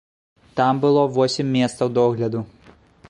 Там было восем месцаў догляду.